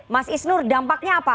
mas isnur dampaknya apa